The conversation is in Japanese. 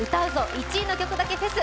１位の曲だけフェス」！